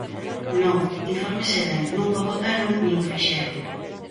Non, infórmese ben, ¡nunca o votaron nin o fixeron!